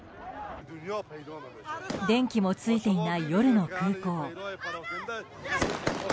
電気もついていない夜の空港。